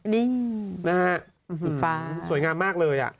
นี่ฮะสวยงามมากเลยอะสีฟ้า